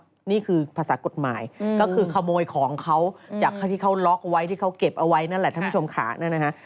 นี่คือภาษากฎหมายก็คือขโมยของเขาจากที่เขาล็อกไว้ที่เขาเก็บเอาไว้นั่นแหละท่านผู้ชมค่ะนั่นนะฮะ